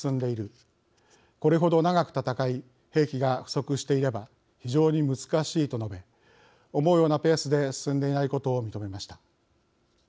これほど長く戦い兵器が不足していれば非常に難しい」と述べ思うようなペースで進んでいないことを認めました。